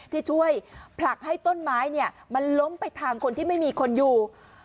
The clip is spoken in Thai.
ที่ช่วยผลักให้ต้นไม้มันล้มไปทางคนที่ไม่มีคนอยู่